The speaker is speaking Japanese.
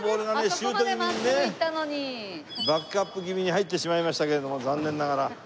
シュートぎみにねバックアップぎみに入ってしまいましたけれども残念ながら。